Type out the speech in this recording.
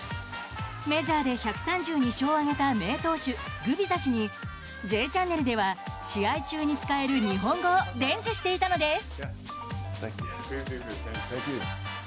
メジャーで１３２勝を挙げた名投手、グビザ氏に「Ｊチャンネル」では試合中に使える日本語を伝授していたのです。